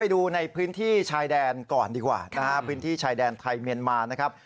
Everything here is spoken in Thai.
ดูในพื้นที่ชายแดนก่อนดีกว่านะฮะพื้นที่ชายแดนไทยเมียนมานะครับ